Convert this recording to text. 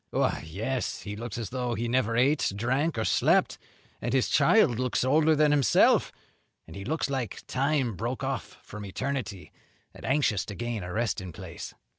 "Why, yes; he looks as though he never ate, drank, or slept; and his child looks older than himself; and he looks like time broke off from eternity and anxious to gain a resting place."